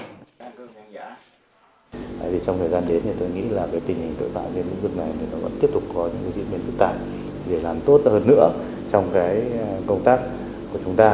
trong thời gian đến tôi nghĩ là tình hình tội phạm trên lĩnh vực này vẫn tiếp tục có những diễn biến ưu tài để làm tốt hơn nữa trong công tác của chúng ta